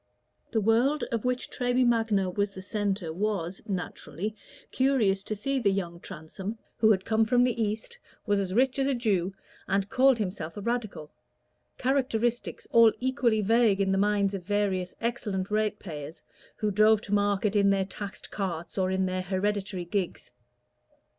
The world of which Treby Magna was the centre was, naturally, curious to see the young Transome, who had come from the East, was as rich as a Jew, and called himself a Radical characteristics all equally vague in the minds of various excellent ratepayers, who drove to market in their taxed carts or in their hereditary gigs.